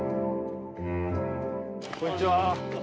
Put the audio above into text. こんにちは。